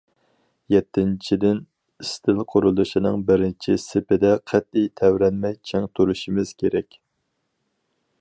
يەتتىنچىدىن، ئىستىل قۇرۇلۇشىنىڭ بىرىنچى سېپىدە قەتئىي تەۋرەنمەي چىڭ تۇرۇشىمىز كېرەك.